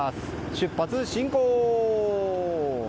出発進行！